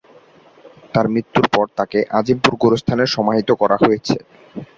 তার মৃত্যুর পর তাকে আজিমপুর গোরস্থানে সমাহিত করা হয়েছে।